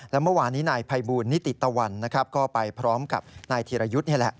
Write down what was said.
และเมื่อวานนี้นายภัยบูลนิติตะวันนะครับก็ไปพร้อมกับนายธีรยุทธ์นี่แหละ